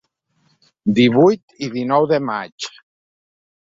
Divuit i dinou de maig.